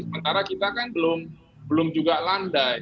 sementara kita kan belum juga landai